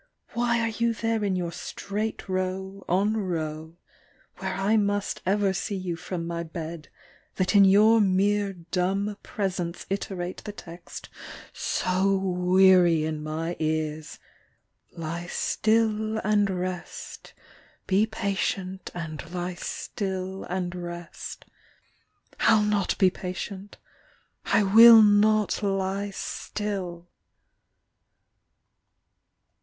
Why are you there in your straight row on row Where I must ever see you from my bed That in your mere dumb presence iterate The text so weary in my ears : "Lie still And rest; be patient and lie still and rest." I ll not be patient! I will not lie still!